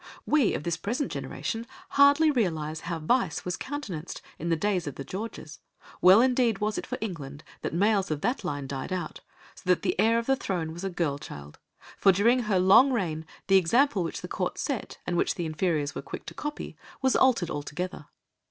We of this present generation hardly realise how vice was countenanced in the days of the Georges; well indeed was it for England that males of that line died out, so that the heir to the throne was a girl child, for during her long reign the example which the court set, and which the inferiors were quick to copy, was altered altogether.